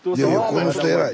この人偉い。